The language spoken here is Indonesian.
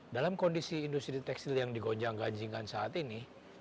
dalam kondisi industri tekstil yang digonjang ganjingkan saat ini